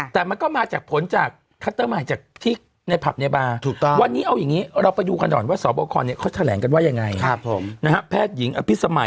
แต่มันก็มาจากผลจากทันต่อมาจากทิศในภัพนิบาวันนี้เอาอย่างนี้